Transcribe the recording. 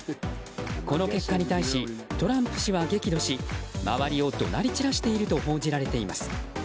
この結果に対しトランプ氏は激怒し周りを怒鳴り散らしていると報じられています。